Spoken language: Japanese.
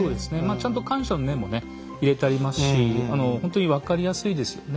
ちゃんと感謝の念も入れてありますしほんとに分かりやすいですよね。